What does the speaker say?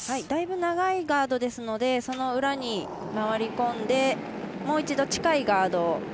だいぶ長いガードですのでその裏に回り込んでもう一度、近いガード